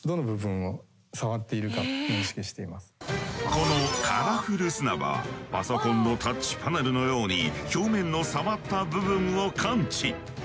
このカラフル砂場はパソコンのタッチパネルのように表面の触った部分を感知。